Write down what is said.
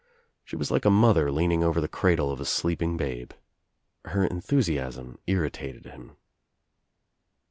She was like a mother leaning over the cradle of a sleeping babe. Her enthusiasm irritated him.